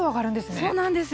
そうなんですよ。